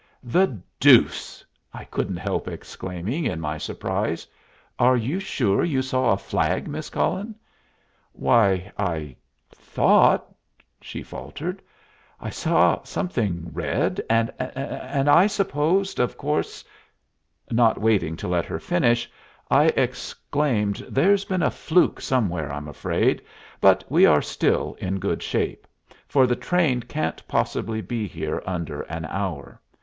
"The deuce!" I couldn't help exclaiming, in my surprise. "Are you sure you saw a flag, Miss Cullen?" "Why I thought " she faltered. "I saw something red, and I supposed of course " Not waiting to let her finish, I exclaimed, "There's been a fluke somewhere, I'm afraid; but we are still in good shape, for the train can't possibly be here under an hour.